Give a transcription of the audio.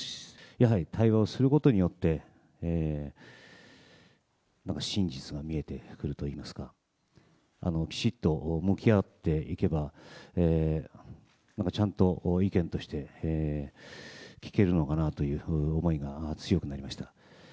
やはり対話をすることによって、真実が見えてくるといいますか、きちっと向き合っていけば、ちゃんと意見として聞けるのかなという思いが強くなりました。